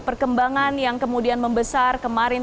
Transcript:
perkembangan yang kemudian membesar